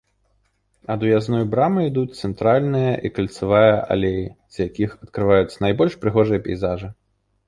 Ад уязной брамы ідуць цэнтральная і кальцавыя алеі, з якіх адкрываюцца найбольш прыгожыя пейзажы.